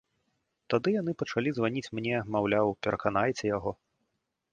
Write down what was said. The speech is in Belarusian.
Тады яны пачалі званіць мне, маўляў, пераканайце яго.